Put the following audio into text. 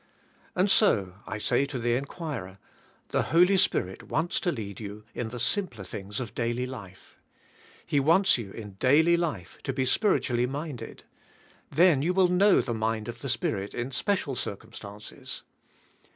And so I say to the inquirer, the Holy Spirit wants to lead j^ou in the simpler things of daily life. He wants 3^ou in daily life to be spirit ually minded. Then jou will know the mind of the Spirit in special circumstances.